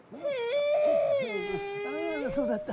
あそうだった。